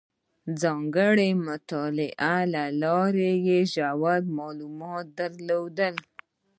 ځانګړې مطالعې له لارې یې ژور معلومات درلودل.